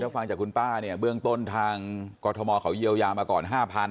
ฟังจากคุณป้าเนี่ยเบื้องต้นทางกรทมเขาเยียวยามาก่อน๕๐๐๐